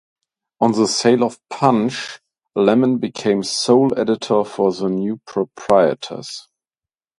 On the sale of "Punch", Lemon became sole editor for the new proprietors.